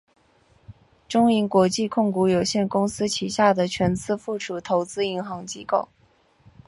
中银国际控股有限公司旗下的全资附属投资银行机构。